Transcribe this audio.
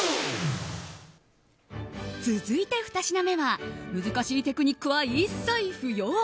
続いて２品目は難しいテクニックは一切不要。